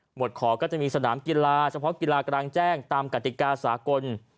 วดขอก็จะมีสนามกีฬาเฉพาะกีฬากลางแจ้งตามกติกาสากล